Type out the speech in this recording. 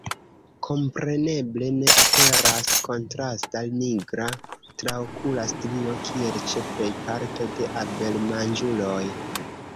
Kompreneble ne aperas kontrasta nigra traokula strio, kiel ĉe plej parto de abelmanĝuloj.